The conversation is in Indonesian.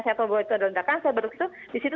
saya tahu bahwa itu ada ledakan saya berusaha disitu